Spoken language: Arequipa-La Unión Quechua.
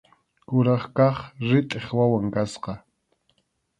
Kuraq kaq ritʼip wawan kasqa.